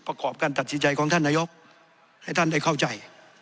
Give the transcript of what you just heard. ประกอบการตัดสินใจของท่านนายกให้ท่านได้เข้าใจ